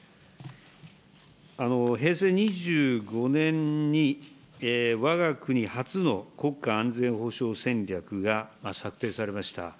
平成２５年に、わが国初の国家安全保障戦略が策定されました。